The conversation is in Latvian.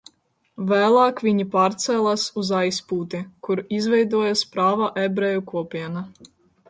Vēlāk viņi pārcēlās uz Aizputi, kur izveidojās prāva ebreju kopiena.